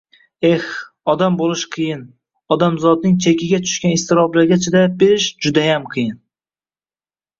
Eh, odam boʻlish qiyin, odamzodning chekiga tushgan iztiroblarga chidash berish judayam qiyin.